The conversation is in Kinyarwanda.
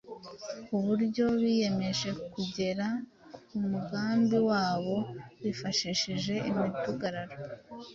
ku buryo biyemeje kugera ku mugambi wabo bifashishije imidugararo.